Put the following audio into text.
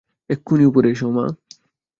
এক্ষুনি উপরে এসো, মা!